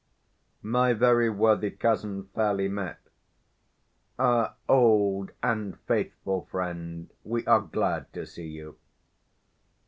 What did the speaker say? _ My very worthy cousin, fairly met! Our old and faithful friend, we are glad to see you.